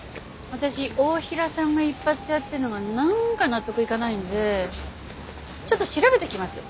私太平さんが一発屋っていうのがなんか納得いかないんでちょっと調べてきます。